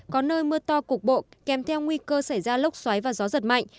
có nơi mưa to cục bộ kèm theo nguy cơ xảy ra lốc xoáy và gió giật mạnh